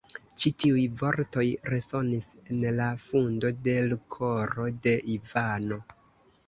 Ĉi tiuj vortoj resonis en la fundo de l' koro de Ivano.